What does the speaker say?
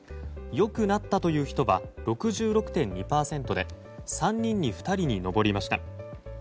良くなったという人は６６．２％で３人に２人に上りました。